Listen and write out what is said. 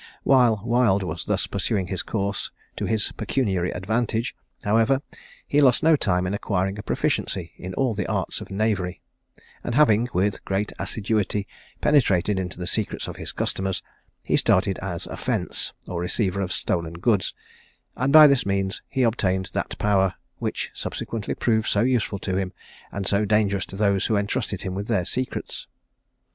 While Wild was thus pursuing his course to his pecuniary advantage, however, he lost no time in acquiring a proficiency in all the arts of knavery; and having, with great assiduity, penetrated into the secrets of his customers, he started as a "fence," or receiver of stolen goods; and by this means he obtained that power, which subsequently proved so useful to him, and so dangerous to those who entrusted him with their secrets.